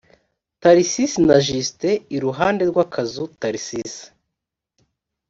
tharcisse na justin iruhande rw akazu tharcisse